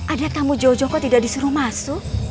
ada kamu jojo kok tidak disuruh masuk